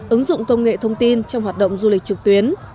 ứng dụng công nghệ thông tin trong hoạt động du lịch trực tuyến